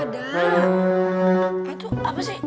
tangan aku cuman